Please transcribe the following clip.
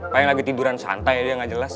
kayaknya lagi tiduran santai dia gak jelas